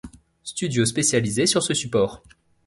Studios spécialisés sur ce support.